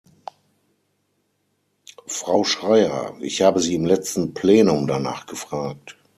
Frau Schreyer, ich habe sie im letzten Plenum danach gefragt.